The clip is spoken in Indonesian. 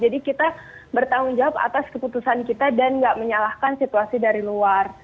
jadi kita bertanggung jawab atas keputusan kita dan gak menyalahkan situasi dari luar